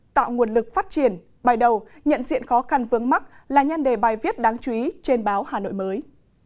tạo nguồn lực phát triển bài đầu nhận diện khó khăn vướng mắt là nhân đề bài viết đáng chú ý trên báo hà nội mới